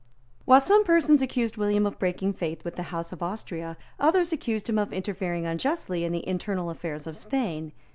While some persons accused William of breaking faith with the House of Austria, others accused him of interfering unjustly in the internal affairs of Spain.